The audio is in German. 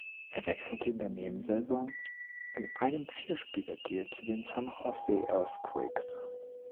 Er wechselte in der Nebensaison in einem Vier-Spieler-Deal zu den San Jose Earthquakes.